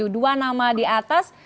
dua nama di atas